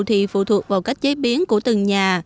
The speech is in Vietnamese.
thì phụ thuộc vào cách chế biến của từng nhà